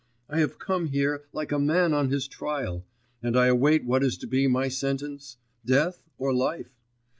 I have come here, like a man on his trial, and I await what is to be my sentence? Death or life?